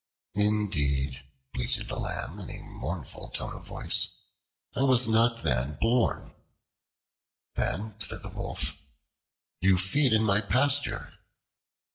"Indeed," bleated the Lamb in a mournful tone of voice, "I was not then born." Then said the Wolf, "You feed in my pasture."